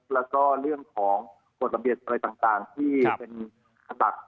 แล้วก็เรื่องของกฎระเบียบอะไรต่างที่เป็นขตัก